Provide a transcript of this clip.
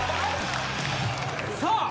さあ！